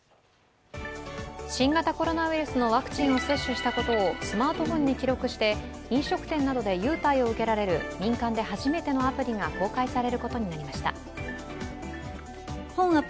新型コロナウイルスのワクチンを接種したことをスマートフォンに記録して飲食店などで優待を受けられる民間で初めてのアプリが公開されることになりました。